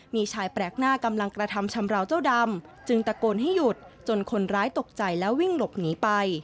มีชายแปลกหน้ากำลังกระทำชำราวเจ้าดำจึงตะโกนให้หยุดจนคนร้ายตกใจแล้ววิ่งหลบหนีไป